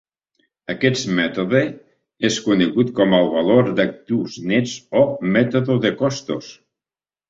Aquest mètode és conegut com el valor d'actius nets o mètode de costos.